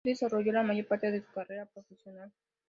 Allí desarrolló la mayor parte de su carrera profesional.